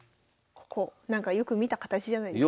ここよく見た形じゃないですか？